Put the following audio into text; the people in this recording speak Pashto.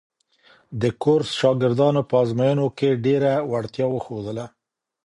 د کورس شاګردانو په ازموینو کې ډېره وړتیا وښودله.